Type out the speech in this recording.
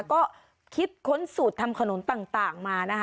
ก็คิดค้นสูตรทำขนุนต่างมานะคะ